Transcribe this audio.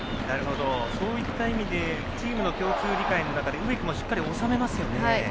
そういった意味でチームの共通理解の中で植木もしっかり収めますよね。